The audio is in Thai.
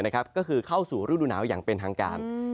ก็คือเข้าสู่ฤดูหนาวอย่างเป็นทางการ